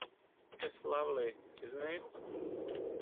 Yes, lovely, isn't it?